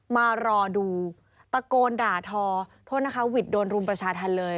มารอดูตะโกนด่าทอโทษนะคะหวิดโดนรุมประชาธรรมเลย